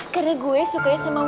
karena gue sukanya sama wulan ya